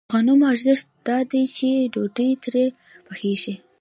د غنمو ارزښت دا دی چې ډوډۍ ترې پخېږي